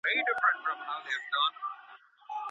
څنګه د بریا غوښتنه د انسان چلند په بشپړه توګه بدلوي؟